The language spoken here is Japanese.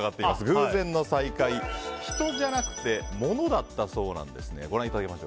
偶然の再会、人じゃなくて物だったそうなんですね。